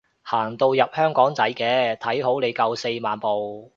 行到入香港仔嘅，睇好你夠四萬步